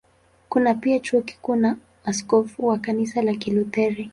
Kuna pia Chuo Kikuu na askofu wa Kanisa la Kilutheri.